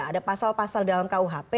ada pasal pasal dalam kuhp